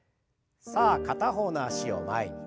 さあ片方の脚を前に。